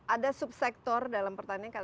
ada subsektor dalam pertanian